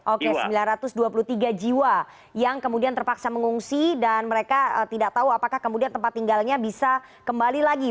oke sembilan ratus dua puluh tiga jiwa yang kemudian terpaksa mengungsi dan mereka tidak tahu apakah kemudian tempat tinggalnya bisa kembali lagi